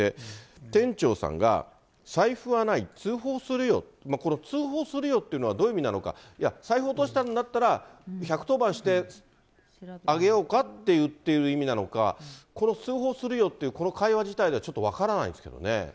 店長さんが財布はない、通報するよ、この通報するよっていうのは、どういう意味なのか、いや、財布を落としたんだったら、１１０番してあげようかっていってる意味なのか、この通報するよっていうこの会話自体が、ちょっと分からないです